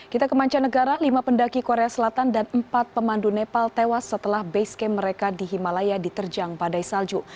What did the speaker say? kita ke mancanegara lima pendaki korea selatan dan empat pemandu nepal tewas setelah base camp mereka di himalaya diterjang badai salju